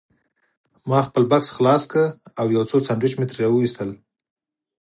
ما خپل بکس خلاص کړ او یو څو سنډوېچ مې ترې راوایستل.